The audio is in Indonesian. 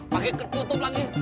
pak ketutup lagi